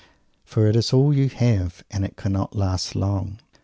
For it is all you have, and it cannot last long!"